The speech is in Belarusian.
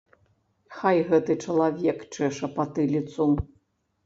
Хай гэты чалавек чэша патыліцу.